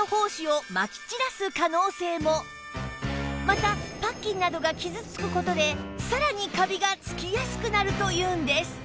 またパッキンなどが傷つく事でさらにカビがつきやすくなるというんです